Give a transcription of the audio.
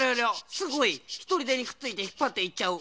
すごい！ひとりでにくっついてひっぱっていっちゃう。